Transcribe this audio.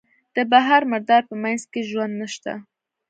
د بحر مردار په منځ کې ژوند نشته.